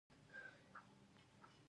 ایا ستاسو عطر به اصیل وي؟